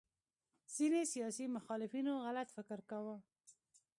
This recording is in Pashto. ځینې سیاسي مخالفینو غلط فکر کاوه